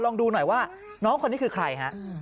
ลองดูหน่อยว่าน้องคนนี้คือใครฮะ